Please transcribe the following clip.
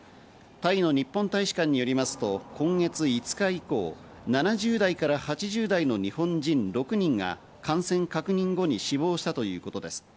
タイの日本大使館によりますと今月５日以降、７０代から８０代の日本人６人が感染確認後に死亡したということです。